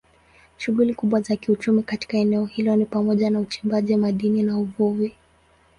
Shughuli kubwa za kiuchumi katika eneo hilo ni pamoja na uchimbaji madini na uvuvi.